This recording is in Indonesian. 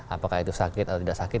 apakah itu sakit atau tidak sakit